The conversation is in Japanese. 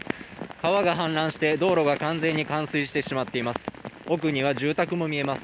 川が氾濫して道路が完全に冠水してしまっています。